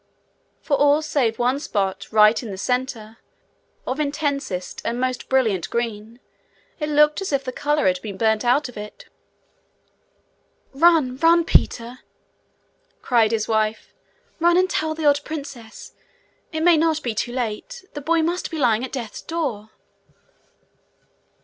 For, all save one spot right in the centre, of intensest and most brilliant green, it looked as if the colour had been burnt out of it. 'Run, run, Peter!' cried his wife. 'Run and tell the old princess. It may not be too late. The boy must be lying at death's door.'